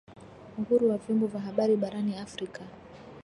uhuru wa vyombo vya habari barani Afrika